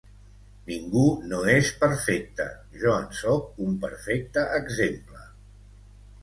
Ningú no és perfecte; jo en sóc un perfecte exemple.